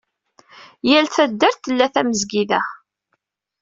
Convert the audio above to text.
Yal taddart tla tamezgida.